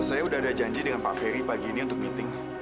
saya sudah ada janji dengan pak ferry pagi ini untuk meeting